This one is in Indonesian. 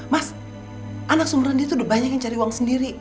mas anak sumberan dia tuh udah banyak yang cari uang sendiri